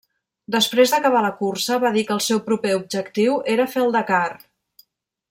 Després d'acabar la cursa va dir que el seu proper objectiu era fer el Dakar.